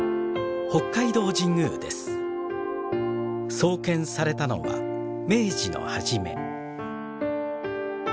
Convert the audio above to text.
創建されたのは明治の初め。